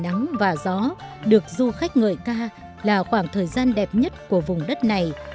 nắng và gió được du khách ngợi ca là khoảng thời gian đẹp nhất của vùng đất này